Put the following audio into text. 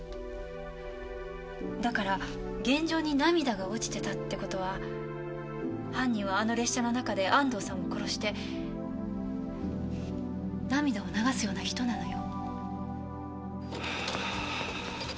だから現場に涙が落ちてたってことは犯人はあの列車の中で安藤さんを殺して涙を流すような人なのよ。